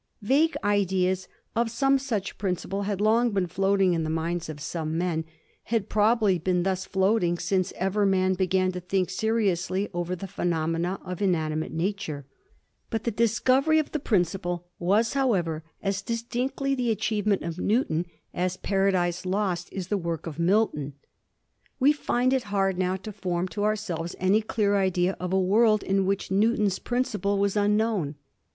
Vague ideas of some such principle had long been floating in the minds of some men ; had Digiti zed by Google 1727 DEATH OF NEWTON. 357 probably been thus floating since ever men began to think seriously over the phenomena of inanimate nature. But the discovery of the principle was, however, as distinctly the achievement of Newton as * Paradise Lost ' is the work of Milton. We find it hard now to form to ourselves any clear idea of a world to which NeT\iion'8 principle was unknown.